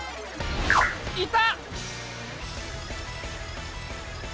いた！